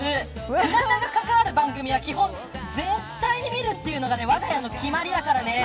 倉田が関わる番組は基本、絶対に見るというのがわが家の決まりだからね。